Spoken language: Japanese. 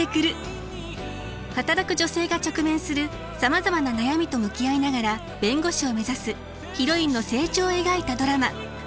働く女性が直面するさまざまな悩みと向き合いながら弁護士を目指すヒロインの成長を描いたドラマ。